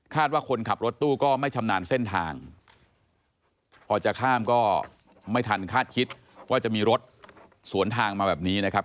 ว่าคนขับรถตู้ก็ไม่ชำนาญเส้นทางพอจะข้ามก็ไม่ทันคาดคิดว่าจะมีรถสวนทางมาแบบนี้นะครับ